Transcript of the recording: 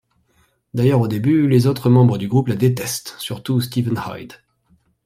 D'ailleurs au début, les autres membres du groupe la détestent, surtout Steven Hyde.